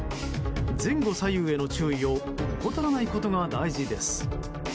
前後左右への注意を怠らないことが大事です。